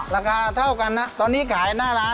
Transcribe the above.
ราคาเท่ากันนะตอนนี้ขายหน้าร้าน